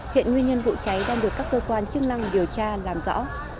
hiện nguyên nhân vụ cháy đang được các cơ quan chức năng điều tra làm rõ